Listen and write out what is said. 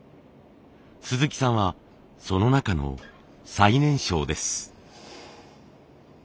鈴木さんはその中の最年少です。